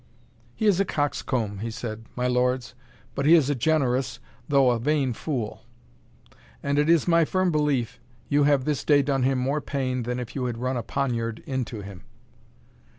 "He is a coxcomb," he said, "my lords, but he is a generous, though a vain fool; and it is my firm belief you have this day done him more pain than if you had run a poniard into him."